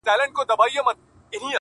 څه ووایم چي یې څرنګه آزار کړم-